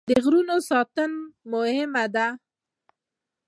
د غرونو ساتنه مهمه ده.